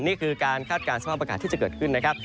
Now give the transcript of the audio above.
นี่คือการคาดการณ์สภาพอากาศที่จะเกิดขึ้นนะครับ